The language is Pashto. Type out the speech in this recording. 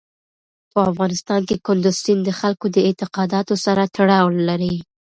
په افغانستان کې کندز سیند د خلکو د اعتقاداتو سره تړاو لري.